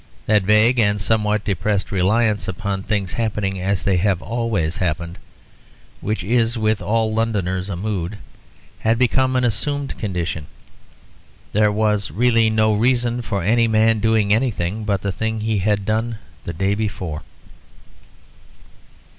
That vague and somewhat depressed reliance upon things happening as they have always happened, which is with all Londoners a mood, had become an assumed condition. There was really no reason for any man doing anything but the thing he had done the day before.